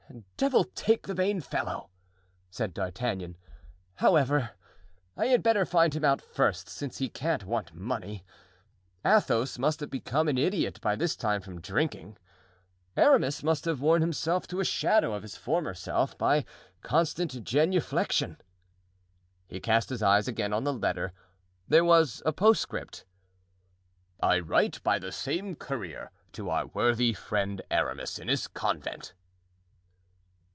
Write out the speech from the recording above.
"Devil take the vain fellow," said D'Artagnan. "However, I had better find him out first, since he can't want money. Athos must have become an idiot by this time from drinking. Aramis must have worn himself to a shadow of his former self by constant genuflexion." He cast his eyes again on the letter. There was a postscript: "I write by the same courier to our worthy friend Aramis in his convent."